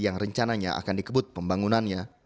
yang rencananya akan dikebut pembangunannya